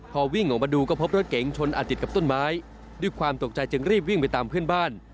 พอวิ่งออกมาดูก็พบรถเก๋งชนอาจติดกับต้นไม้ด้วยความตกใจจึงรีบวิ่งไปตามเพื่อนบ้าน